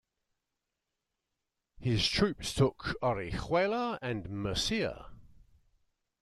His troops took Orihuela and Murcia.